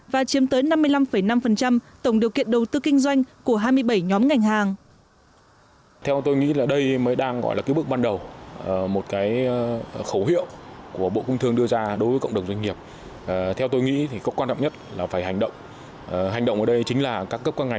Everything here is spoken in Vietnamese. và chiếm tới năm mươi năm năm tổng điều kiện đầu tư kinh doanh của hai mươi bảy nhóm ngành hàng